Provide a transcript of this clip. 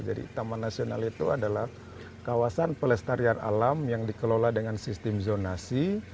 jadi taman nasional itu adalah kawasan pelestarian alam yang dikelola dengan sistem zonasi